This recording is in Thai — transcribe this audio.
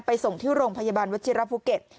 ไปส่งที่โรงพยาบาลวจิรับภูเก็ต